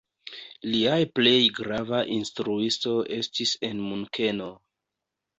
Lia plej grava instruisto estis en Munkeno.